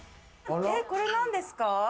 これなんですか？